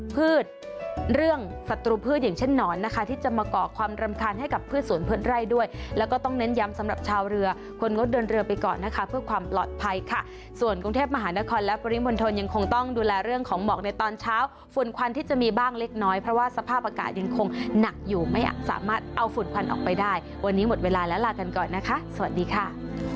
พยายามสำหรับชาวเรือควรงดเดินเรือไปก่อนนะคะเพื่อความปลอดภัยค่ะส่วนกรุงเทพมหานครและปริมนธนยังคงต้องดูแลเรื่องของหมอกในตอนเช้าฝุ่นควันที่จะมีบ้างเล็กน้อยเพราะว่าสภาพอากาศยังคงหนักอยู่ไม่สามารถเอาฝุ่นควันออกไปได้วันนี้หมดเวลาแล้วลากันก่อนนะคะสวัสดีค่ะ